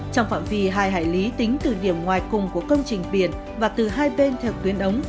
trong phạm vi hai hải lý tính từ điểm ngoài cùng của công trình biển và từ hai bên theo tuyến ống